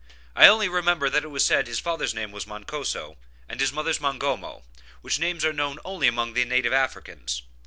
I only remember that it was said that his father's name was Moncoso, and his mother's Mongomo, which names are known only among the native Africans.